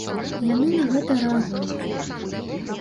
Яны на гэта рэагуюць.